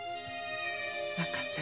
分かったよ